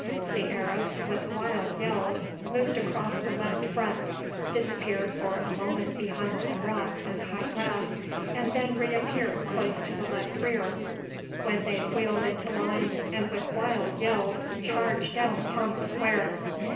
The Arabs with wild yells moved across the left front, disappeared for a minute behind some rocks and high grass, and then reappeared close to the left rear, when they wheeled into line, and with wild yells charged down upon the square.